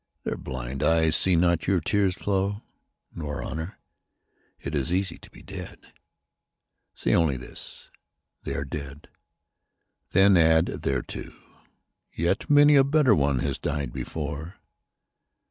Their blind eyes see not your tears flow. Nor honour. It is easy to be dead. Say only this, " They are dead." Then add thereto, " Yet many a better one has died before."